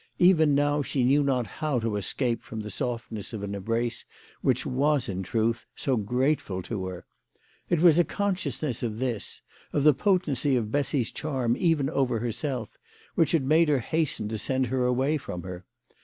Even now she knew not how to escape from the softness of an embrace which was in truth so grateful to her. It was a consciousness of this, of the potency of Bessy's charm even over herself, which had made her hasten to send her away from her.